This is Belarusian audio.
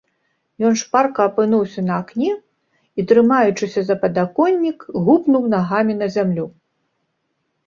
Ён шпарка апынуўся на акне і, трымаючыся за падаконнік, гупнуў нагамі на зямлю.